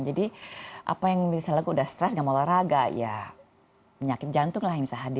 jadi apa yang misalnya sudah stress tidak mau olahraga ya menyakit jantung lah yang bisa hadir